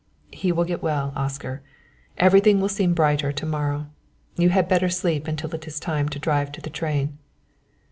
"He will get well, Oscar. Everything will seem brighter to morrow. You had better sleep until it is time to drive to the train."